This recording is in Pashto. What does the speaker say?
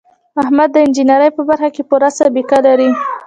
احمد د انجینرۍ په برخه کې پوره سابقه لري.